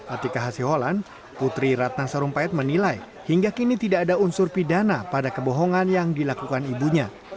atika hasiholan putri ratna sarumpait menilai hingga kini tidak ada unsur pidana pada kebohongan yang dilakukan ibunya